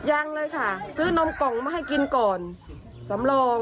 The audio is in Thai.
ยังเลยค่ะซื้อนมกล่องมาให้กินก่อนสำรอง